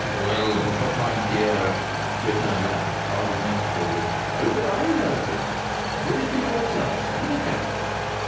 "Well! but my dear," returned Lamps argumentatively, "how can I help it? Put it to yourself, sir. Look at her.